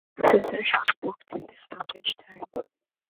Suresh was booked in the stoppage time.